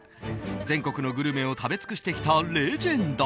全国のグルメを食べ尽くしてきたレジェンド。